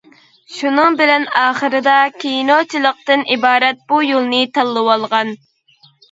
شۇنىڭ بىلەن ئاخىرىدا كىنوچىلىقتىن ئىبارەت بۇ يولنى تاللىۋالغان.